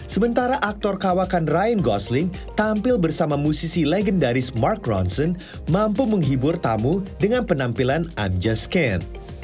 sementara aktor kawakan ryan gosling tampil bersama musisi legendaris mark ronsen mampu menghibur tamu dengan penampilan anjascan